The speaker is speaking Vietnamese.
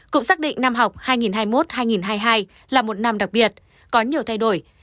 cũng xác định năm học hai nghìn hai mươi một hai nghìn hai mươi hai là một năm đặc biệt có nhiều thay đổi